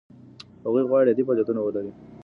هغوی غواړي عادي فعالیتونه ولري.